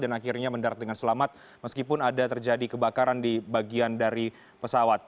dan akhirnya mendarat dengan selamat meskipun ada terjadi kebakaran di bagian dari pesawat